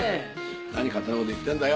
何堅いこと言ってんだよ。